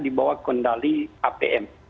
untuk kendali apm